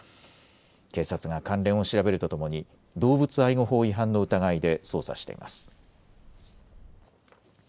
警察が関連を調べるとともに動物愛護法違反の疑いで捜査しています。